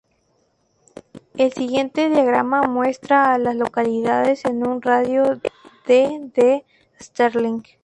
El siguiente diagrama muestra a las localidades en un radio de de Sterling.